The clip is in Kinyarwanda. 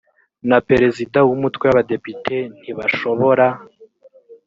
na perezida w umutwe w abadepite ntibashobora